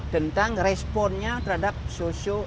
tentang responnya terhadap sosio